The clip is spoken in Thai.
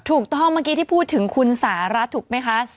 ถูกต้องเมื่อกี้ที่พูดถึงคุณสหรัฐถูกไหมคะ